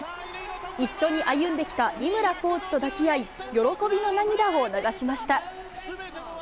一緒に歩んできた井村コーチと抱き合い、喜びの涙を流しました。